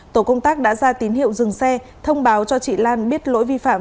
tổ công tác đã ra tín hiệu dừng xe thông báo cho chị lan biết lỗi vi phạm